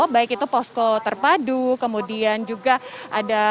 baik itu posko terpadu kemudian juga ada